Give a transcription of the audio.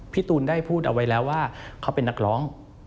พี่ตูนได้พูดเอาไว้แล้วว่าเขาเป็นนักร้อง